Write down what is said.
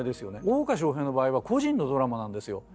大岡昇平の場合は個人のドラマなんですよ。